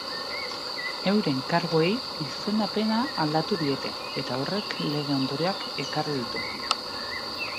Euren karguei izendapena aldatu diete eta horrek lege ondorioak ekarri ditu.